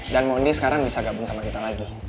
dan mondi sekarang bisa gabung sama kita lagi